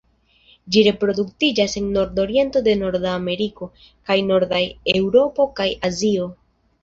Ĝi reproduktiĝas en nordoriento de Norda Ameriko, kaj nordaj Eŭropo kaj Azio.